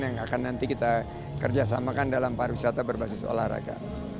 yang bisa dikerjasamakan dalam pariwisata berbasis olahraga